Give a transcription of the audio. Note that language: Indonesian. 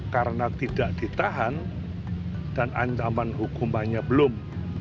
karena tidak ditahan dan ancaman hukumannya belum